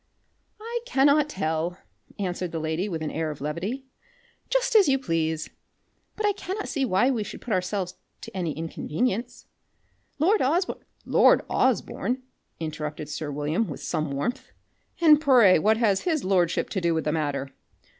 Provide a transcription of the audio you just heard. "I cannot tell," answered the lady with an air of levity. "Just as you please. But I cannot see why we should put ourselves to any inconvenience. Lord Osborne" "Lord Osborne!" interrupted sir William with some warmth, "and pray what has his lordship to do with the matter?"